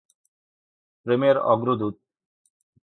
প্রেমের অগ্রদূত.